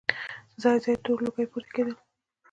ځای ځای تور لوګي پورته کېدل.